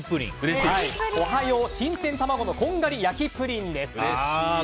オハヨー新鮮卵のこんがり焼プリンです。